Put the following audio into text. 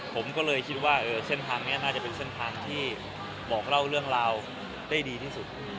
ผมก็เลยคิดว่าเส้นทางนี้น่าจะเป็นเส้นทางที่บอกเล่าเรื่องราวได้ดีที่สุด